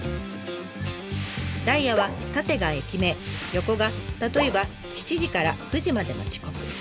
ダイヤは縦が駅名横が例えば７時から９時までの時刻。